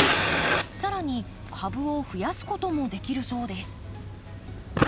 更に株を増やすこともできるそうです。